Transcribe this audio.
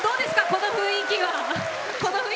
この雰囲気は。